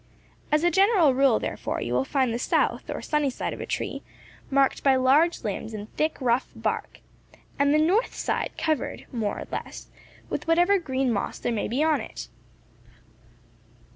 As a general rule, therefore, you will find the south, or sunny side of a tree marked by large limbs and thick, rough bark, and the north side covered, more or less, with whatever green moss there may be on it.